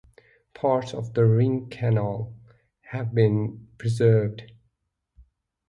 Parts of the ring canal have been preserved.